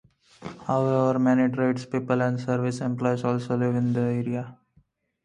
However, many tradespeople and service employees also live in the area.